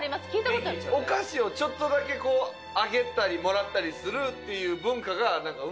お菓子をちょっとだけこうあげたりもらったりするっていう文化がなんか生まれたのよ